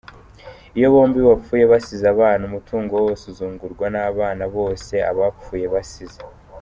Iyo bombi bapfuye basize abana, umutungo wose uzungurwa n’abana bose abapfuye basize.